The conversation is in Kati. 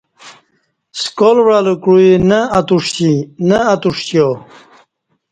سکال وعہ لہ کوعی نہ اتوݜیو